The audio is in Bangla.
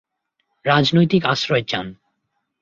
রাজনৈতিক আশ্রয় চান।